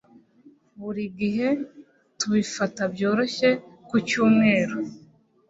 Buri gihe tubifata byoroshye ku cyumweru